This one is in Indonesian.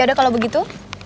yaudah kalau begitu